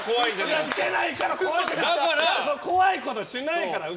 そんな怖いことしないから。